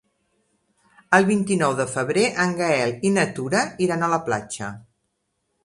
El vint-i-nou de febrer en Gaël i na Tura iran a la platja.